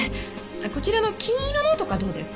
こちらの金色のとかどうですか？